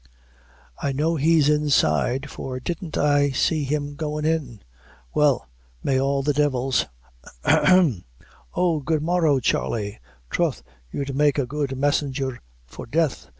"I know he's inside, for didn't I see him goin' in well, may all the devils hem oh, good morrow, Charley troth you'd make a good messenger for death.